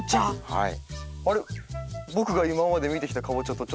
はい。